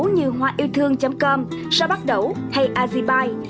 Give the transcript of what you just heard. như hoayêuthương com sao bắc đẩu hay azibai